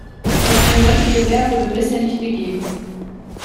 Doch eine solche Gewähr wurde bisher nicht gegeben.